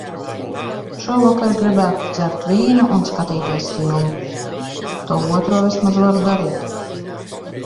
Šovakar gribētu dzert vīnu un skatīties filmu. To otro vismaz varu darīt.